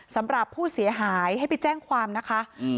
สำหรับผู้เสียหายให้ไปแจ้งความนะคะอืม